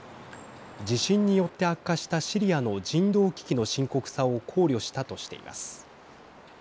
地震によって悪化したシリアの人道危機の深刻さを考慮したとしています。